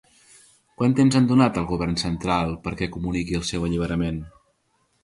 Quant temps han donat al govern central perquè comuniqui el seu alliberament?